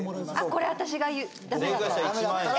これ私がダメだったら？